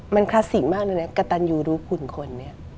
มันคลาสสิกมากกระตันยูรู้คุณคน